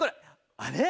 あれ？